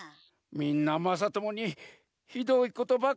みんなまさともにひどいことばっかりしてたざんす。